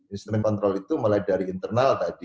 instrumen kontrol itu mulai dari internal tadi